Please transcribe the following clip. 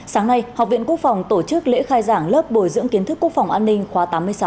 sáng nay học viện quốc phòng tổ chức lễ khai giảng lớp bồi dưỡng kiến thức quốc phòng an ninh khóa tám mươi sáu